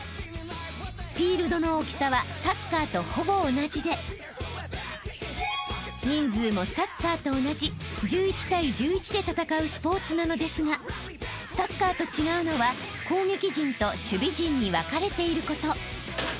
［フィールドの大きさはサッカーとほぼ同じで人数もサッカーと同じ１１対１１で戦うスポーツなのですがサッカーと違うのは攻撃陣と守備陣に分かれていること］